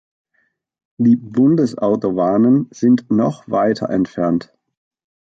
Die Bundesautobahnen sind noch weiter entfernt.